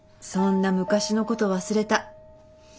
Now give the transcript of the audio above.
そんな昔のこと忘れた。